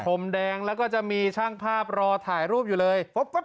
ผมแดงแล้วก็จะมีช่างภาพรอถ่ายรูปอยู่เลย